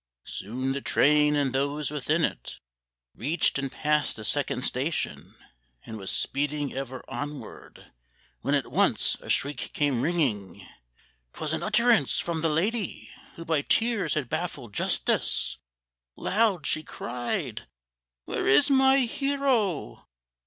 Soon the train and those within it Reached and passed a second station, And was speeding ever onward, When at once a shriek came ringing— 'Twas an utterance from the lady Who by tears had baffled justice; Loud she cried, "Where is my hero?